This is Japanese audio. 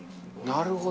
なるほど。